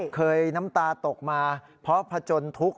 น้ำตาตกมาเพราะผจญทุกข์